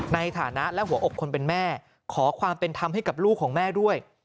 ในฐานะและหัวอกคนเป็นแม่ขอความเป็นธรรมให้กับลูกของแม่ด้วย